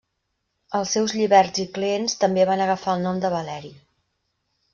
Els seus lliberts i clients també van agafar el nom de Valeri.